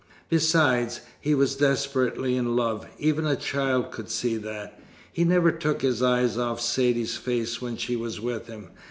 Besides, he was desperately in love even a child could see that. He never took his eyes off Saidee's face when she was with him.